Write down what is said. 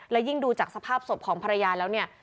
และยิ่งดูจากสภาพศพของภรรยาแล้วเนี่ย